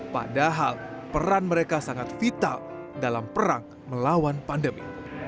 padahal peran mereka sangat vital dalam perang melawan pandemi